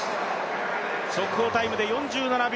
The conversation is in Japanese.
速報タイムで４７秒